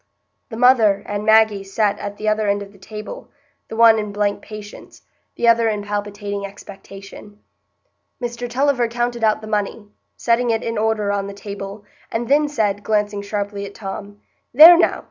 The mother and Maggie sat at the other end of the table, the one in blank patience, the other in palpitating expectation. Mr Tulliver counted out the money, setting it in order on the table, and then said, glancing sharply at Tom: "There now!